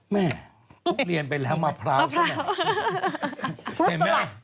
แม่ลูกทุเรียนไปแล้วมะพร้าวสะหน่อย